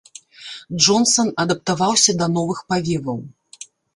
Джонсан адаптаваўся да новых павеваў.